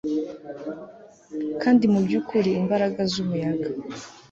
Kandi mubyukuri imbaraga zumuyaga